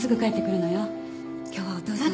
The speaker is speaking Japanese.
今日はお父さんの。